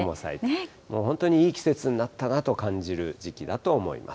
本当にいい季節になったなと感じる時期だと思います。